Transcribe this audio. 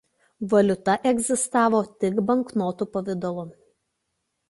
Valiuta egzistavo tik banknotų pavidalu.